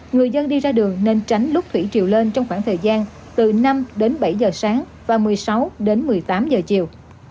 người dân đi ra đường nên tránh đốt thủy triều lên trong khoảng thời gian từ năm đến bảy giờ sáng và một mươi sáu đến một mươi tám giờ chiều